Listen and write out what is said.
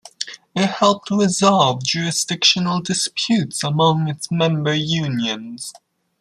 It helped resolve jurisdictional disputes among its member unions.